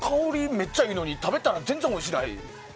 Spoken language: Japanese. めっちゃいいのに食べたら全然おいしない。